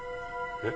えっ？